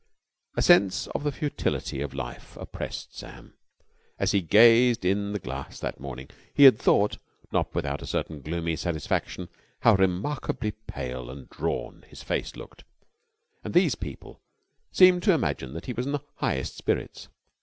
A sense of the futility of life oppressed Sam. As he gazed in the glass that morning, he had thought, not without a certain gloomy satisfaction, how remarkably pale and drawn his face looked. And these people seemed to imagine that he was in the highest spirits.